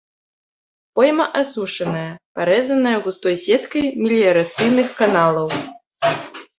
Пойма асушаная, парэзаная густой сеткай меліярацыйных каналаў.